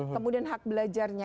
kemudian hak belajarnya